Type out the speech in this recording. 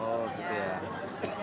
oh gitu ya